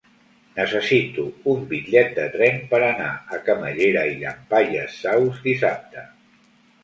Necessito un bitllet de tren per anar a Camallera i Llampaies Saus dissabte.